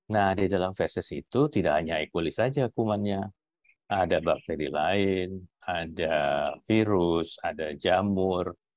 nah di dalam fesis itu tidak hanya ekulis saja kumannya ada bakteri lain ada virus ada jamur